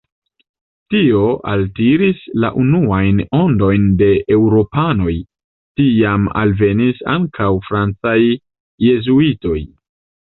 Tio altiris la unuajn ondojn de eŭropanoj, tiam alvenis ankaŭ francaj jezuitoj.